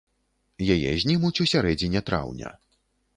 Яе знімуць у сярэдзіне траўня.